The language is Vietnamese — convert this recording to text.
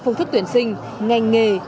phương thức tuyển sinh ngành nghề